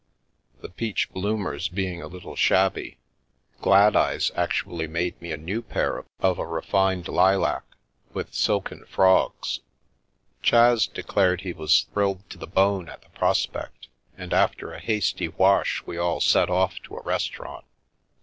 The peach bloomers being a little shabby, Gladeyes actually made me a new pair of a refined lilac. With silken frogs." Chas declared he was thrilled to the bone at the pros pect, and after a hasty wash we all set off to a restau rant.